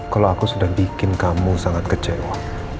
kalau aku sudah bikin kamu sangat kecewa